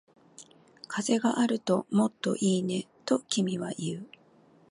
風があるともっといいね、と君は言う